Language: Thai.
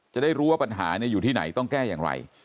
จะได้รู้ว่าปัญหาอยู่ที่ไหนต้องแก้อย่างไร